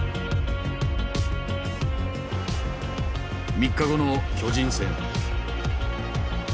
３日後の巨人戦。